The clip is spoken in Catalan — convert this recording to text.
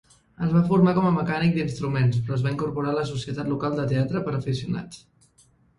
Es va formar com a mecànic d'instruments però es va incorporar a la societat local de teatre per a aficionats .